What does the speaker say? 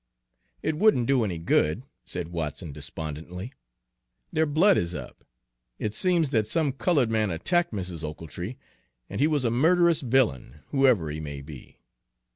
"It wouldn't do any good," said Watson despondently; "their blood is up. It seems that some colored man attacked Mrs. Ochiltree, and he was a murderous villain, whoever he may be.